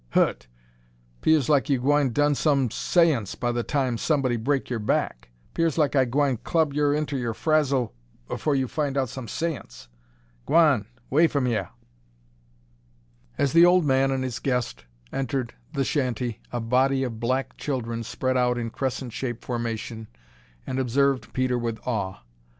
Hu't? 'Pears like you gwine dun some saince by time somebody brek yer back. 'Pears like I gwine club yer inter er frazzle 'fore you fin' out some saince. Gw'on 'way f'm yah!" As the old man and his guest entered the shanty a body of black children spread out in crescent shape formation and observed Peter with awe.